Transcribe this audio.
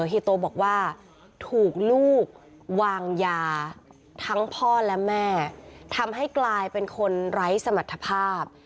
เฮียโตบอกว่าถูกลูกวางยาทั้งพ่อและแม่ทำให้กลายเป็นคนไร้สมรรถภาพ